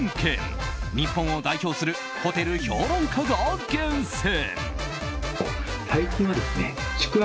日本を代表するホテル評論家が厳選。